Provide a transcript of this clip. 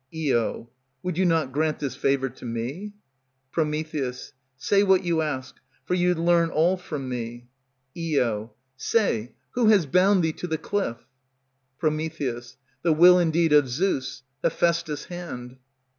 Io. Would you not grant this favor to me? Pr. Say what you ask; for you'd learn all from me. Io. Say who has bound thee to the cliff. Pr. The will, indeed, of Zeus, Hephaistus' hand.